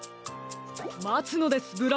まつのですブラウン！